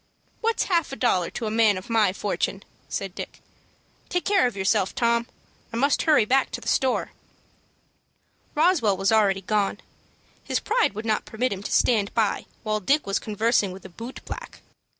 "What's half a dollar to a man of my fortune?" said Dick. "Take care of yourself, Tom. I must hurry back to the store." Roswell was already gone. His pride would not permit him to stand by while Dick was conversing with a boot black.